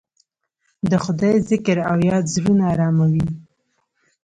د خدای ذکر او یاد زړونه اراموي.